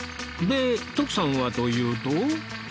で徳さんはというと